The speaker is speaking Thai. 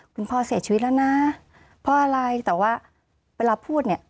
คุณพ่อเสียชีวิตแล้วนะเพราะอะไรแต่ว่าเวลาพูดเนี่ย